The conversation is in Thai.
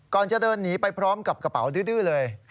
จะเดินหนีไปพร้อมกับกระเป๋าดื้อเลย